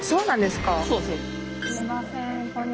すいません